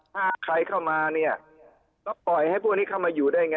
ถ้าใครเข้ามาเนี่ยก็ปล่อยให้พวกนี้เข้ามาอยู่ได้ไง